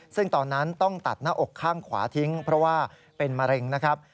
ซึ่งตอนนั้นต้องตัดหน้าอกข้างขวาทิ้งเพราะว่าเป็นมะเร็งนะครับ